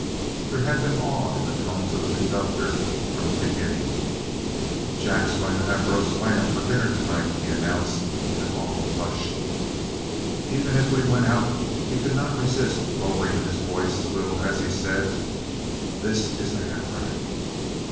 There had been awe in the tones of the conductor from the beginning. "Jack's going to have roast lamb for dinner to night," he announced in an awful hush. Even as we went out he could not resist lowering his voice a little as he said, "This is the hat rack.